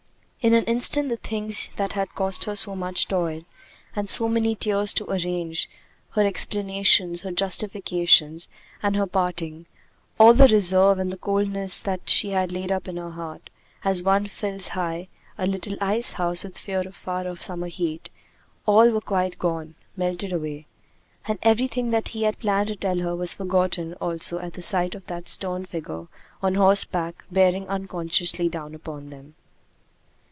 In an instant the things that had cost her so much toil and so many tears to arrange, her explanations, her justifications, and her parting, all the reserve and the coldness that she had laid up in her heart, as one fills high a little ice house with fear of far off summer heat, all were quite gone, melted away. And everything that he had planned to tell her was forgotten also at the sight of that stern figure on horseback bearing unconsciously down upon them.